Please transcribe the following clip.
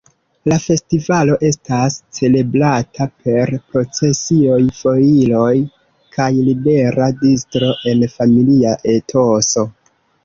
La festivalo estas celebrata per procesioj, foiroj kaj libera distro en familia etoso.